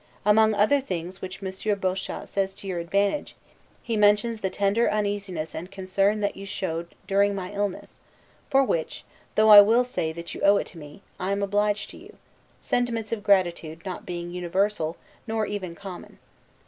Among other things which Monsieur Bochat says to your advantage, he mentions the tender uneasiness and concern that you showed during my illness, for which (though I will say that you owe it to me) I am obliged to you: sentiments of gratitude not being universal, nor even common.